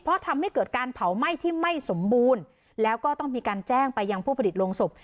เพราะทำให้เกิดการเผาไหม้ที่ไม่สมบูรณ์แล้วก็ต้องมีการแจ้งไปยังผู้ผลิตโรงศพ